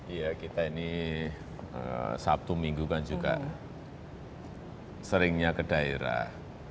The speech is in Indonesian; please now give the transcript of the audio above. ya kita ini sabtu minggu kan juga seringnya ke daerah